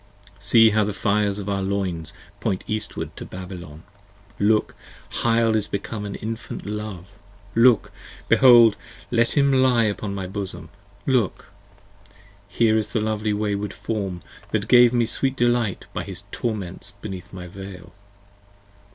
See how the fires of our loins point eastward to Babylon! Look, Hyle is become an infant Love! look! behold! see him lie Upon my bosom, look! here is the lovely wayward form That gave me sweet delight by his torments beneath my Veil!